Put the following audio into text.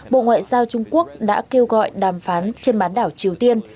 bộ ngoại giao trung quốc đã kêu gọi đàm phán trên bán đảo triều tiên